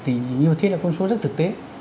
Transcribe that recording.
thì như thế là con số rất thực tế